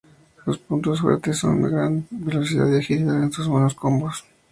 Sus puntos fuertes son su gran velocidad, su agilidad y sus buenos combos.